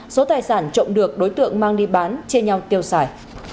số tài sản trộm được đối tượng mang đi bán chia nhau tiêu xài